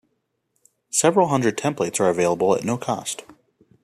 Several hundred templates are available at no cost.